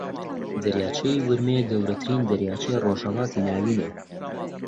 دەریاچەی ورمێ گەورەترین دەریاچەی ڕۆژھەڵاتی ناوینە